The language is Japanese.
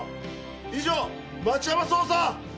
以上町山捜査！